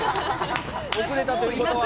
遅れたということは。